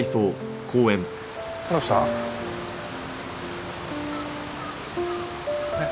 どうした？え？